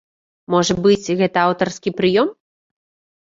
Можа быць, гэта аўтарскі прыём?